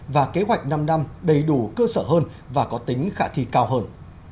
và kế hoạch năm năm đầy đủ cơ sở hơn và có tính khả thi cao hơn